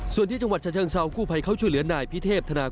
ส่วนที่จังหวัดชะเชิงเศร้าคู่พัยเข้าชี่เหลือน